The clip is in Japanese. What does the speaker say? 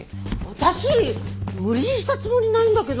私無理強いしたつもりないんだけど。